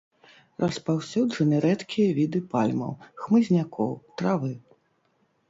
Распаўсюджаны рэдкія віды пальмаў, хмызнякоў, травы.